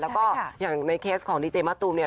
แล้วก็อย่างในเคสของดีเจมะตูมเนี่ย